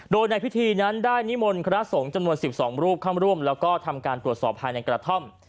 โดยในพิธีนั้นได้นิมนต์พระสงฆ์จำนวน๑๒รูปเข้าร่วมแล้วก็ทำการตรวจสอบภายในกระท่อม